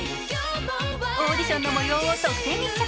オーディションの模様を独占密着。